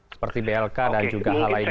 seperti blk dan juga hal lainnya